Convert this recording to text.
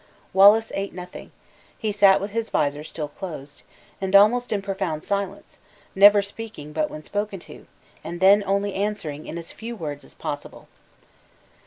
Wallace ate nothing; he sat with his visor still closed, and almost in profound silence, never speaking but when spoken to, and then only answering in as few words as possible.